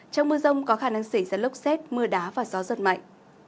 trong mưa rông có khả năng xảy ra lốc xét mưa đá và gió giật mạnh